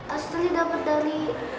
astri dapet dari